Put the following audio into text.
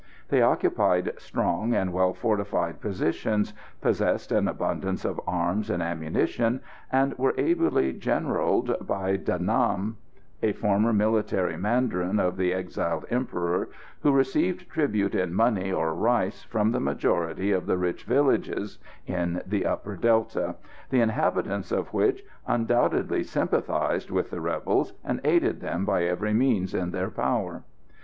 They occupied strong and well fortified positions, possessed an abundance of arms and ammunition, and were ably generalled by De Nam, a former military mandarin of the exiled Emperor, who received tribute in money or rice from the majority of the rich villages in the Upper Delta, the inhabitants of which undoubtedly sympathised with the rebels, and aided them by every means in their power.